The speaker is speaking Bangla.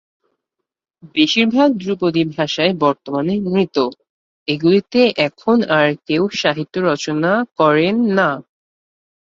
বেশির ভাগ ধ্রুপদী ভাষাই বর্তমানে মৃত, এগুলিতে এখন আর কেউ সাহিত্য রচনা করেন না।